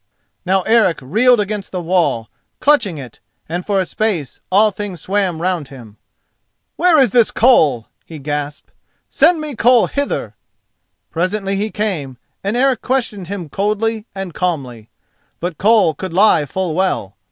Now Eric reeled against the wall, clutching it, and for a space all things swam round him. "Where is this Koll?" he gasped. "Send me Koll hither." Presently he came, and Eric questioned him coldly and calmly. But Koll could lie full well.